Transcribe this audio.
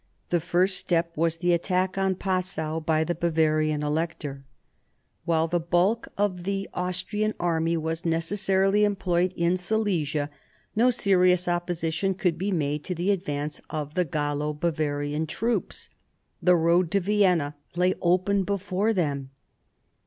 The first step was the attack on Passau by the Bavarian Elector. While the 1740 43 WAR OF SUCCESSION 15 bulk of the Austrian army was necessarily employed in Silesia, no serious opposition could be made to the advance of the Gallo Bavarian troops. The road to Vienna lay open before them.